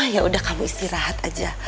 ya udah kamu istirahat aja